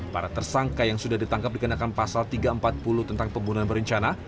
para tersangka yang sudah ditangkap dikenakan pasal tiga ratus empat puluh tentang pembunuhan berencana